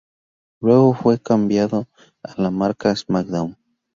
Luego fue cambiado a la marca "SmackDown!